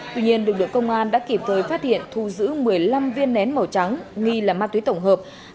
tuy nhiên lực lượng công an đã kịp thời phát hiện thu giữ một mươi năm viên nén màu trắng nghi là ma túy tổng hợp